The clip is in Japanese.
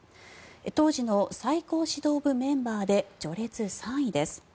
当時の最高指導部メンバーで序列３位です。